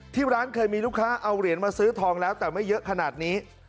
ที่ร้านเคยมีลูกค้าเอาเหรียญมาซื้อทองแล้วแต่ไม่เยอะขนาดนี้